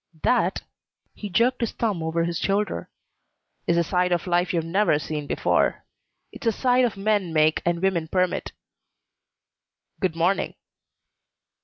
That" he jerked his thumb over his shoulder "is a side of life you've never seen before. It's a side men make and women permit. Good morning."